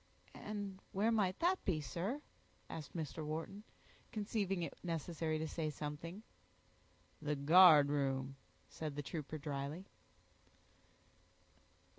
"And where might that be, sir?" asked Mr. Wharton, conceiving it necessary to say something. "The guardroom," said the trooper, dryly.